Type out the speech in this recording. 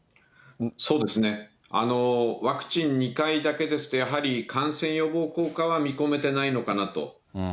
そうですね、ワクチン２回だけですと、やはり感染予防効果は見込めてないのかなと。